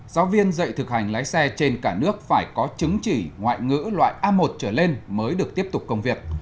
giáo viên dạy thực hành lái xe trên cả nước phải có chứng chỉ ngoại ngữ loại a một trở lên mới được tiếp tục công việc